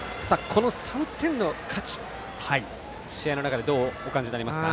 この３点の価値、試合の中でどうお感じになりますか？